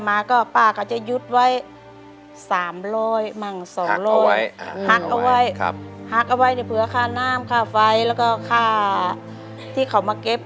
๒๐บาทบางวันก็ได้๘๐บาทค่ะ